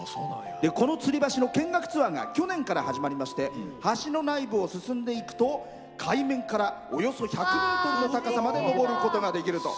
このつり橋の見学ツアーが去年から始まりまして橋の内部を進んでいくと海面からおよそ１００ｍの高さまで上ることができると。